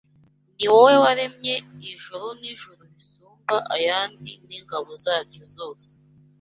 Ni wowe waremye ijuru n’ijuru risumba ayandi n’ingabo zaryo zose